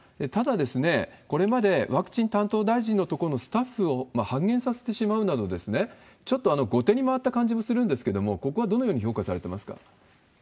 ただ、これまでワクチン担当大臣の所のスタッフを半減させてしまうなど、ちょっと後手に回った感じもするんですけれども、ここはどのように評価されてますか？